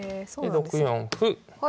で６四歩。